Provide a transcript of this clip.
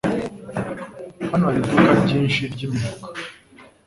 Hano hari iduka ryinshi ryimifuka.